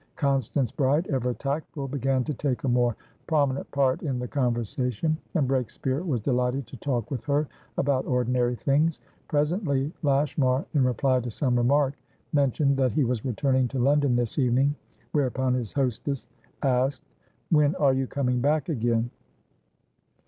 Constance Bride, ever tactful, began to take a more prominent part in the conversation, and Breakspeare was delighted to talk with her about ordinary things. Presently, Lashmar, in reply to some remark, mentioned that he was returning to London this evening whereupon his hostess asked: "When are you coming back again?"